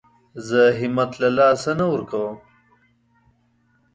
زه همت له لاسه نه ورکوم.